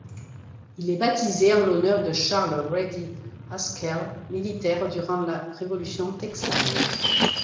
Il est baptisé en l'honneur de Charles Ready Haskell, militaire durant la révolution texane.